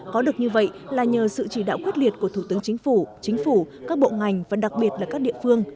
có được như vậy là nhờ sự chỉ đạo quyết liệt của thủ tướng chính phủ chính phủ các bộ ngành và đặc biệt là các địa phương